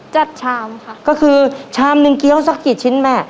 ชามค่ะก็คือชามหนึ่งเกี้ยวสักกี่ชิ้นแม่